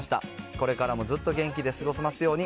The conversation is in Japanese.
これからも、ずっと元気で過ごせますように。